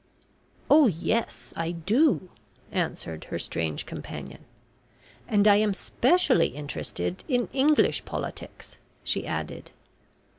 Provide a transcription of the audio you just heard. "Oh, yes, I do," answered her strange companion. "And I am specially interested in English politics," she added.